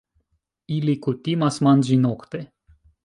Ili kutimas manĝi nokte.